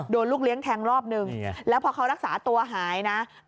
ลูกเลี้ยงแทงรอบนึงแล้วพอเขารักษาตัวหายนะ